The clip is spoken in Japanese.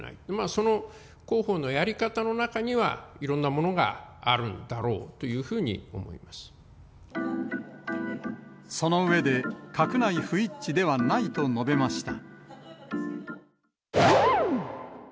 その広報のやり方の中にはいろんなものがあるんだろうというふうその上で、閣内不一致ではないと述べました。